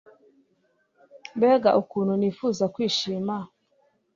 mbega ukuntu nifuza kwishima